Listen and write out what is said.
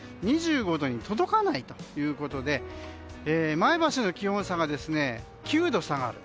２５度に届かないということで前橋の気温差が９度、差がある。